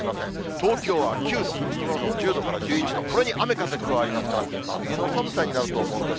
東京は９度、そのほかも１０度から１１度、これに雨風加わりますから、真冬の寒さになると思うんです。